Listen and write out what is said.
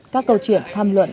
các câu chuyện tham luận